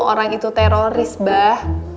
orang itu teroris bah